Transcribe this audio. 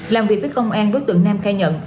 làm việc với công an đối tượng nam khai nhận